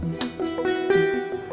chat mas randy gak ya